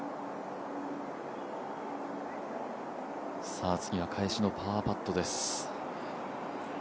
さあ次は返しのパーパットです。